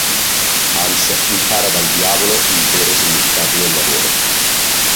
Hans impara dal diavolo il vero significato del lavoro.